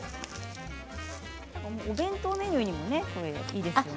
お弁当メニューにもいいですよね。